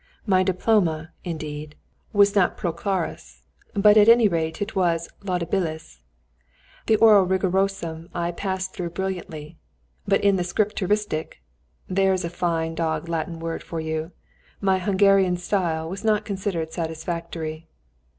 My diploma, indeed, was not præclarus, but at any rate it was laudibilis. The oral rigorosum I passed through brilliantly, but in the scripturistik (there's a fine dog Latin word for you!) my Hungarian style was not considered satisfactory.